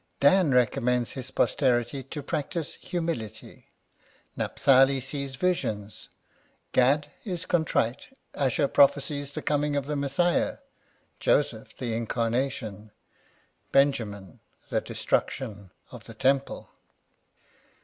Dan recommends his posterity to practise humility ; Naphtali sees visions ; Gad is contrite ; Asher prophesies the coming of the Messiah ; Joseph, the incarnation ; Benjamin, the destruction of the Temple.